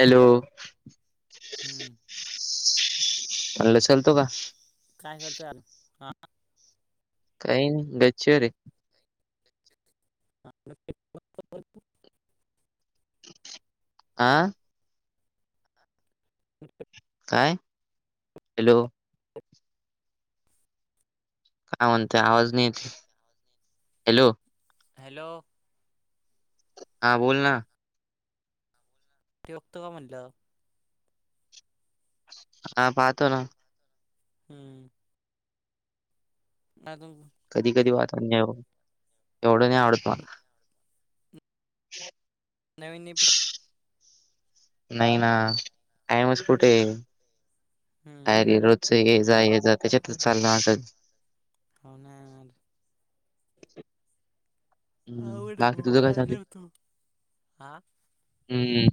Hello हम्म मला लतो का काय करत यार हा काही नाही गच्छो रे हा [unintelligible] आ [unintelligible] काय? हॅलो! काय म्हणताय? आवाज नाही येत, हॅलो! हॅलो! हा बोल ना. ठेवतो का म्हणलं? हा पाहतो ना. हम्म [unintelligible] कधी कधी पाहतो, एवढं नाही आवडत मला. [inaudible] नवीन एपिस् नाही ना, टायमच कुठे? काय हम्म वेगळं च ये जा ये जा, त्याच्यात चालल असच हो ना यार. हम्म, आवड बाकी भो तुझं काय चाललंय? करतो हा हम्म,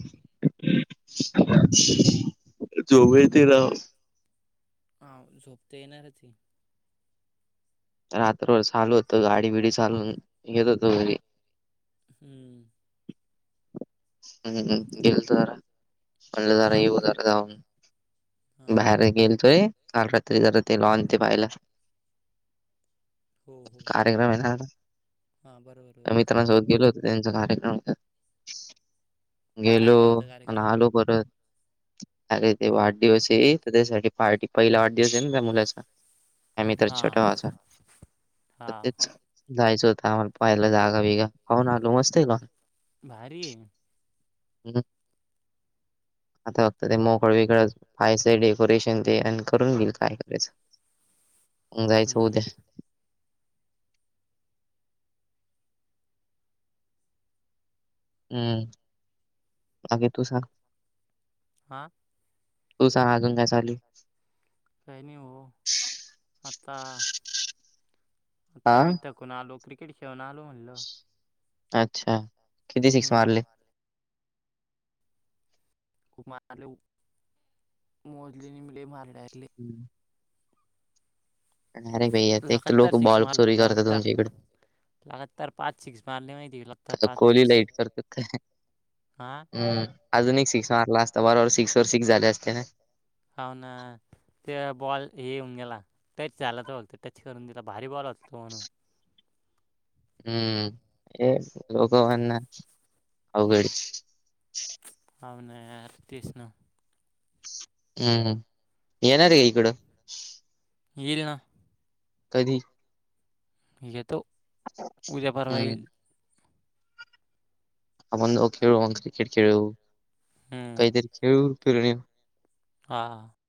झोप येती राव. हा झोप तर येणारच आहे. रात्रभर चालू होत गाडी बिडी चालून, येत होतो घरी. हम्म हम्म गेलतो जरा, म्हणलं जरा हा येऊ जरा जाऊन. हा बाहेर गेलतोय काल रात्री जरा ते लॉन ते बायला हो हो कार्यक्रम आहे ना, हा बरोबर त्या बरोबर मित्रांसोबत गेलो होतो त्यांचा कार्यक्रम होता. काय गेलो काय होता आणि कार्यक्रम आलो परत, अरे ते हम्म वाढदिवस आहे. तर त्यासाठी पार्टी, पहिला वाढदिवस आहे ना त्या मुलाचा. माझ्या हा मित्राच्या छोट्या भावाचा, हा तर तेच जायचं होतं आम्हाला पाहायला जागा बिगा, खाऊन आलो मस्त आहे लॉन. भारीए. हम्म, आता फक्त ते मोकळं विकळं पहायचं डेकोरेशन ते आणि करून घेईल काय करायचं, अन जायचं हम्म उद्या. हम्म, बाकी तू सांग. हा तू सांग अजून काय चालू आहे? काही नाही ओ, आता आता मी हा कून आलो क्रिकेट खेळून आलो म्हणलं, अच्छा किती सिक्स हम्म. मारले? खूप मारल ओ मोजलीनी लय मारलय. हम्म. अरे भैया एक तर लगातर लोक सिक्स बॉल मारलं चोरी मी, करतात तुमच्या लगातार. इकडे लगातार पाच सिक्स मारले माहितीये का, लगातार पाच सिक लेट करत्यात काय? हम्म, अजून एक सिक्स मारला असता, बरोबर सिक्स वर सिक्स झाले असते ना. हो ना, ते बॉल हे घेऊन गेला, टच झालात बोलतो टच करून दिला, भारी बॉल हो तो आणून. हम्म हे लोग वना अवघड हो ना, तेच ना. हम्म, येणार ये इकडं. येईल ना. कधी? येतो, उद्या परवा हम्म. येईल. आपण जाऊ खेळू मग क्रिकेट खेळू, हम्म काहीतरी खेळू, फिरून ये हा.